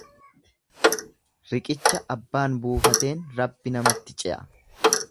Riqicha abbaan buufateen Rabbi namatti ce'a.